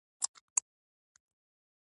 عدالت تأمین او درناوی موجود وي.